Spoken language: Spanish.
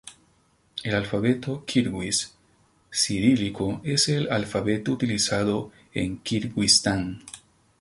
El alfabeto kirguís cirílico es el alfabeto utilizado en Kirguistán.